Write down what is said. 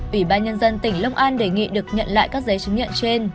ủy ban nhân dân tỉnh long an đề nghị được nhận lại các giấy chứng nhận trên